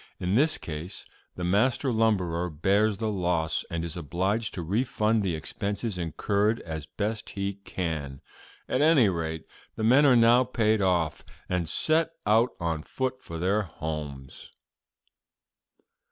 In this case the master lumberer bears the loss, and is obliged to refund the expenses incurred as best he can. At any rate, the men are now paid off, and set out on foot for their homes.'"